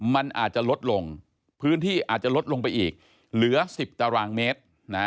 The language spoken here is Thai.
มันอาจจะลดลงพื้นที่อาจจะลดลงไปอีกเหลือ๑๐ตารางเมตร